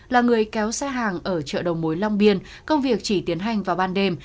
là người kéo xe hàng ở chợ đầu mối long biên công việc chỉ tiến hành vào ban đêm